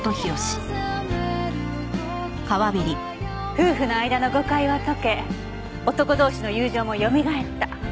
夫婦の間の誤解は解け男同士の友情もよみがえった。